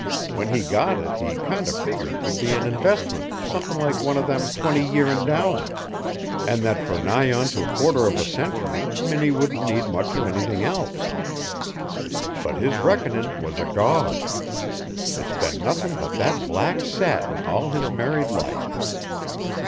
When he got it he kinder figgered 'twould be an investment somethin' like one of them twenty year endowments, an' that for nigh onto a quarter of a century Minnie wouldn't need much of anything else. But his reckonin' was agog. It's been nothin' but that black satin all his married life.